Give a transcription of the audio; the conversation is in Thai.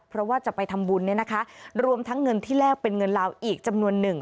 เพราะว่าจะไปทำบุญเนี่ยนะคะรวมทั้งเงินที่แลกเป็นเงินลาวอีกจำนวนหนึ่ง